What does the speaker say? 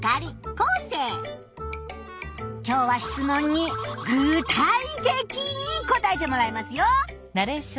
今日は質問に具体的に答えてもらいますよ！